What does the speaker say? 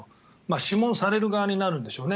諮問される側になるんでしょうね。